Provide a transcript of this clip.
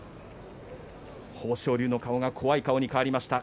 豊昇龍の顔が怖い顔に変わりました。